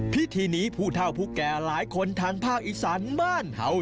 พิธีนี้พูดเท่าผู้แก่หลายคนทางภาคอิษฐานมานเฮา